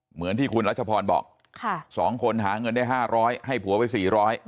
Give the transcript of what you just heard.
เหมือนที่คุณรัชพรบอก๒คนหาเงินได้๕๐๐ให้ผัวไป๔๐๐